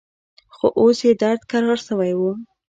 خو اوس يې درد کرار سوى و.